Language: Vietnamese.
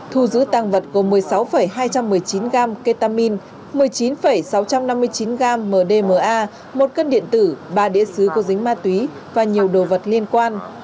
thu giữ tăng vật gồm một mươi sáu hai trăm một mươi chín gram ketamine một mươi chín sáu trăm năm mươi chín gram mdma một cân điện tử ba đĩa xứ có dính ma túy và nhiều đồ vật liên quan